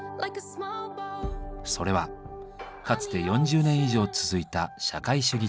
それはかつて４０年以上続いた社会主義体制。